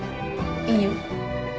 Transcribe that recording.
いいよ。